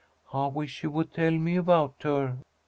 I wish you would tell me about her."